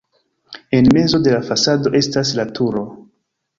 En mezo de la fasado estas la turo.